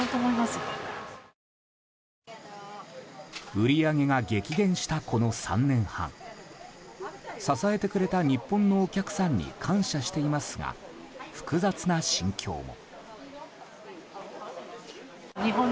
売り上げが激減したこの３年半支えてくれた日本のお客さんに感謝していますが複雑な心境も。